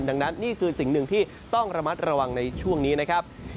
ดังนั้นนี่คือสิ่งหนึ่งที่ต้องระมัดระวังในช่วงนี้นะครับ